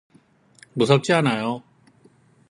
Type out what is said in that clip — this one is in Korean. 무섭지 않아요.